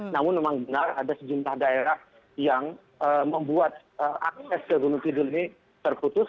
namun memang benar ada sejumlah daerah yang membuat akses ke gunung kidul ini terputus